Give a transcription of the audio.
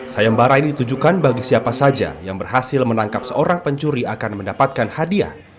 sayembara ini ditujukan bagi siapa saja yang berhasil menangkap seorang pencuri akan mendapatkan hadiah